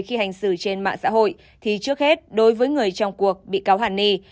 khi hành xử trên mạng xã hội thì trước hết đối với người trong cuộc bị cáo hằng nhi